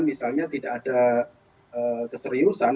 misalnya tidak ada keseriusan